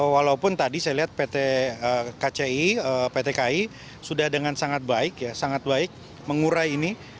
walaupun tadi saya lihat pt kci pt kai sudah dengan sangat baik ya sangat baik mengurai ini